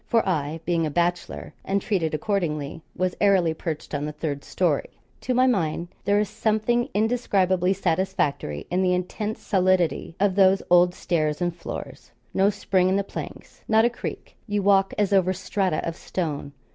For I being a bachelor, and treated accordingly, was airily perched on the third storey. To my mind, there is something indescribably satisfactory in the intense solidity of those old stairs and floors no spring in the planks, not a creak; you walk as over strata of stone.